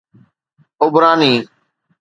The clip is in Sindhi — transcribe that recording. عبراني